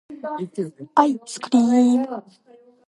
愛♡スクリ～ム!